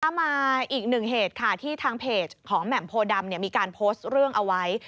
มาอีกหนึ่งเหตุค่ะที่ทางเพจของแหม่มโพดำมีการโพสต์เรื่องเอาไว้